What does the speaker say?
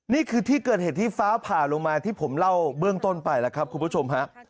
นี่คือที่เกิดเหตุที่ฟ้าผ่าลงมาที่ผมเล่าเบื้องต้นไปแล้วครับคุณผู้ชมฮะ